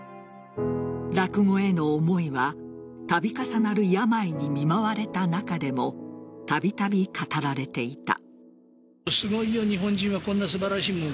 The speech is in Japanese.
落語への思いは度重なる病に見舞われた中でもたびたび語られていた。